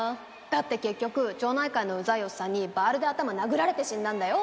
だって結局町内会のウザいおっさんにバールで頭殴られて死んだんだよ